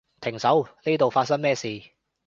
停手，呢度發生咩事？